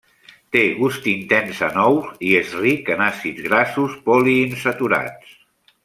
Té gust intens a nous i és ric en àcids grassos poliinsaturats.